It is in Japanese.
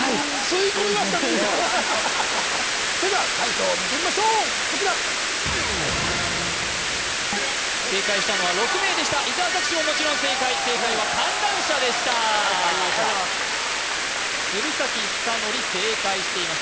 それでは解答を見てみましょうこちら正解したのは６名でした伊沢拓司ももちろん正解正解は観覧車でしたありがとうございます鶴崎修功正解しています